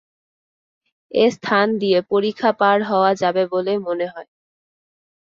এ স্থান দিয়ে পরিখা পার হওয়া যাবে বলে মনে হয়।